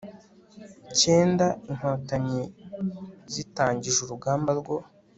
cyenda inkotanyi zitangije urugamba rwo